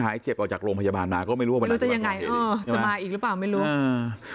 หายเจ็บออกจากโรงพยาบาลมาก็ไม่รู้ว่าจะมาอีกหรือเปล่า